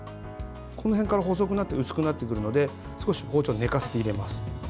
この辺から細くなって薄くなってくるので少し包丁を寝かせて入れます。